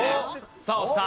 さあ押した。